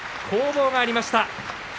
攻防がありました。